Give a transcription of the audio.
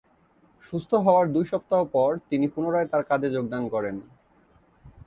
সুস্থ হওয়ার দুই সপ্তাহ পর তিনি পুনরায় তার কাজে যোগদান করেন।